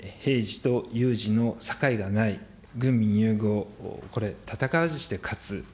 まさに平時とゆうじの境がない、軍民融合、これ戦わずして勝つ。